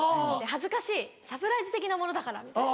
恥ずかしいサプライズ的なものだから」みたいな。